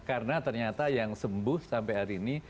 karena ternyata yang sembuh sampai hari ini